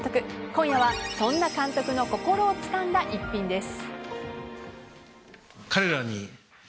今夜はそんな監督の心をつかんだ一品です。